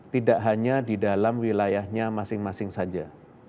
tidak hanya di dalam wilayahnya masing masing saja